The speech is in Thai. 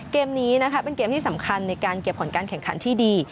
เกมนี้นะคะเป็นเกมที่สำคัญในการเก็บผลการแข่งขันที่ดี